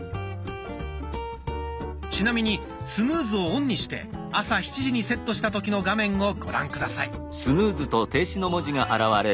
ちなみにスヌーズをオンにして朝７時にセットした時の画面をご覧下さい。